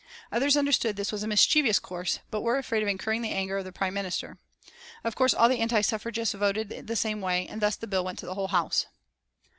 Others understood that this was a mischievous course, but were afraid of incurring the anger of the Prime Minister. Of course all the anti suffragists voted the same way, and thus the bill went to the Whole House.